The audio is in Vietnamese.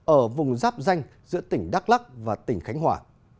ở vùng giáp danh giữa tỉnh đắk lắc và tỉnh khánh hòa